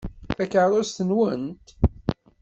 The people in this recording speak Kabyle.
D takeṛṛust-nwent?